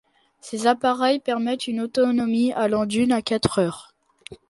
Ces appareils permettent une autonomie allant d'une à quatre heures.